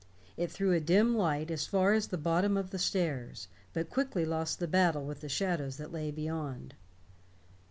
It threw a dim light as far as the bottom of the stairs, but quickly lost the battle with the shadows that lay beyond.